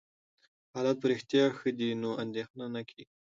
حالت په رښتیا ښه دی، نو اندېښنه نه کېږي.